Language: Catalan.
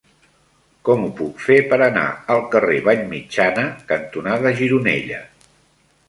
Com ho puc fer per anar al carrer Vallmitjana cantonada Gironella?